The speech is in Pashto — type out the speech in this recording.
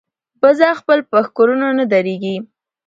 بزه خپل په ښکرو نه درنېږي.